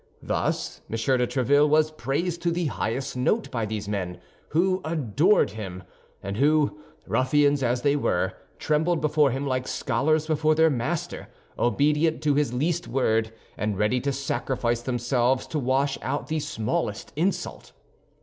Thus M. de Tréville was praised to the highest note by these men, who adored him, and who, ruffians as they were, trembled before him like scholars before their master, obedient to his least word, and ready to sacrifice themselves to wash out the smallest insult.